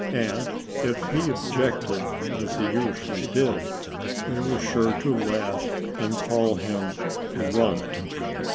And if he objected as he usually did they were sure to laugh and call him "Runt."